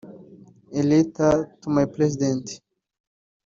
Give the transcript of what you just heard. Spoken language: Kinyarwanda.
A letter to my president